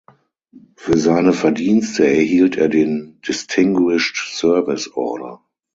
Für seine Verdienste erhielt er den Distinguished Service Order.